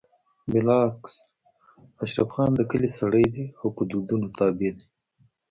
بالعكس اشرف خان د کلي سړی دی او په دودونو تابع دی